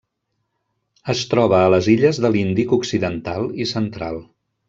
Es troba a les illes de l'Índic occidental i central.